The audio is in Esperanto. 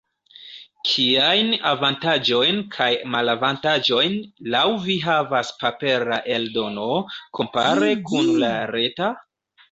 Kiajn avantaĝojn kaj malavantaĝojn laŭ vi havas papera eldono, kompare kun la reta?